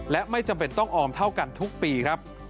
และไม่จำเป็นต้องออมเท่ากันทุกปีครับ